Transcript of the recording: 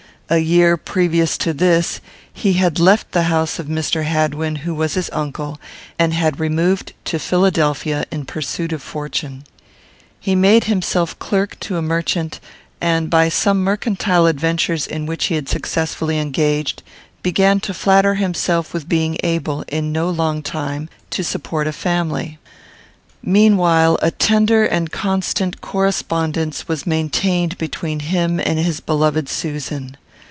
A year previous to this, he had left the house of Mr. Hadwin, who was his uncle, and had removed to Philadelphia in pursuit of fortune. He made himself clerk to a merchant, and, by some mercantile adventures in which he had successfully engaged, began to flatter himself with being able, in no long time, to support a family. Meanwhile, a tender and constant correspondence was maintained between him and his beloved Susan.